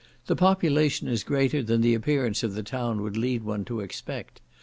The population is greater than the appearance of the town would lead one to expect.